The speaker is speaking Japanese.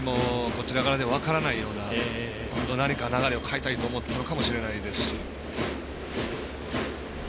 こちらからでは分からないような何か流れを変えたいと思ったのかもしれないですし。